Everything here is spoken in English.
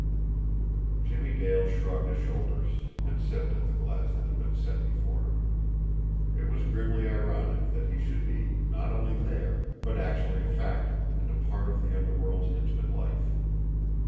Jimmie Dale shrugged his shoulders, and sipped at the glass that had been set before him. It was grimly ironic that he should be, not only there, but actually a factor and a part of the underworld's intimate life!